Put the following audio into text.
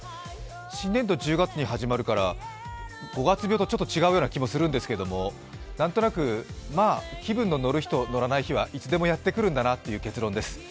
新年度が１０月に始まるから五月病とはちょっと違う気がするんですけどなんとなく、まあ気分の乗る日と乗らない日はいつでもやってくるんだなという結論です。